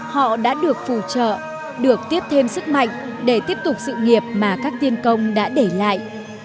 họ đã được phù trợ được tiếp thêm sức mạnh để tiếp tục sự nghiệp mà các tiên công đã để lại